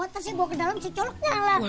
terus gue ke dalam si colok nyalain